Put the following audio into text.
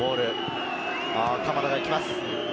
鎌田が行きます。